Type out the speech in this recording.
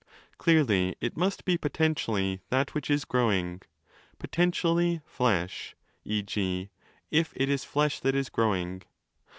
Clearly it must be potentially 5 that which is growing—potentially flesh, e.g., if it is flesh that is growing.